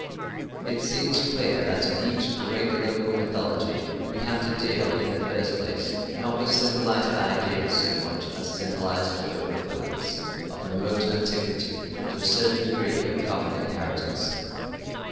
It seems clear that in each great local mythology we have to deal, in the first place, not with symbolized ideas so much as symbolized folk beliefs of remote antiquity and, to a certain degree, of common inheritance.